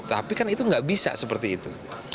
tapi kan itu nggak bisa seperti itu